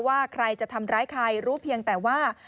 ว่าใครจะทำร้ายใครรู้เพียงแต่ว่า